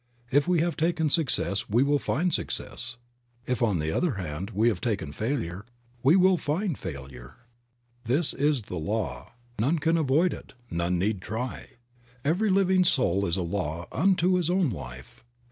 If we have taken success we will find success; if, on the other hand, we have taken failure we will find failure. This is the law ; none can avoid it, none need try. Every living soul is a law unto his own life.